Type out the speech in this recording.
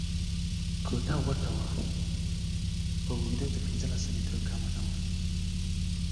کوټه غټه وه، اوږدوالی یې تر پنځلس مترو کم نه و.